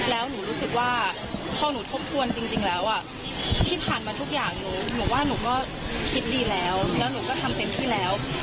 แล้วหนูรู้สึกว่าพอหนูทบทวนจริงแล้วที่ผ่านมาทุกอย่างหนูว่าหนูก็คิดดีแล้วแล้วหนูก็ทำเต็มที่แล้ว